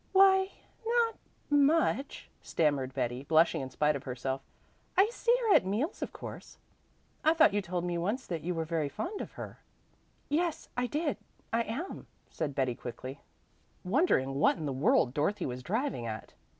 "Why no t much," stammered Betty, blushing in spite of herself. "I see her at meals of course." "I thought you told me once that you were very fond of her." "Yes, I did I am," said Betty quickly, wondering what in the world Dorothy was driving at.